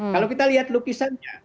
kalau kita lihat lukisannya